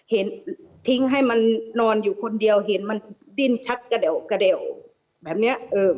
เห็นทิ้งให้มันนอนอยู่คนเดียวเห็นมันดิ้นชักกระเดี่ยวกระเดี่ยวแบบเนี้ยเออ